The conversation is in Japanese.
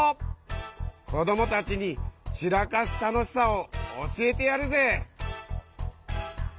こどもたちにちらかすたのしさをおしえてやるぜ！